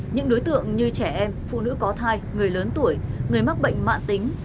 những đối tượng như trẻ em phụ nữ có thai người lớn tuổi người mắc bệnh mạng tính